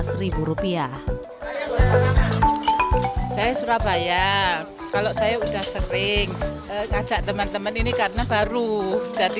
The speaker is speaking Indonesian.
surabaya kalau saya udah sering ngajak teman teman ini karena baru jadi